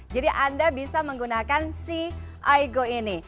jadi anda bisa menggunakan si aigu ini